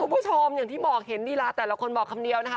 คุณผู้ชมอย่างที่บอกเห็นลีลาแต่ละคนบอกคำเดียวนะคะ